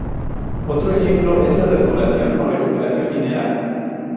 Otro ejemplo es la restauración o recuperación minera.